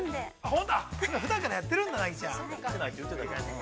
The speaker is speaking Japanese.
◆ほらっ、ふだんから、やってるんだ、ナギちゃん。